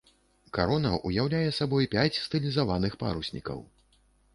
Карона ўяўляе сабой пяць стылізаваных паруснікаў.